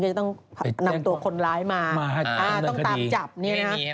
จะต้องนำตัวคนร้ายมาต้องตามจับเนี่ยนะฮะ